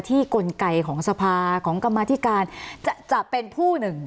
กลไกของสภาของกรรมธิการจะเป็นผู้หนึ่ง